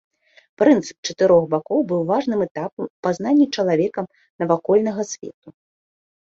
Прынцып чатырох бакоў быў важным этапам у пазнанні чалавекам навакольнага свету.